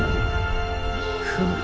フム。